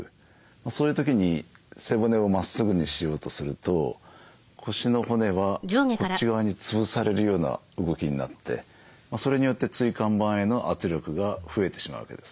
そういう時に背骨をまっすぐにしようとすると腰の骨はこっち側に潰されるような動きになってそれによって椎間板への圧力が増えてしまうわけですね。